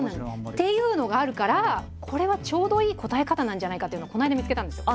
っていうのがあるからこれはちょうどいい答え方なんじゃないかっていうのをこの間見つけたんですよ。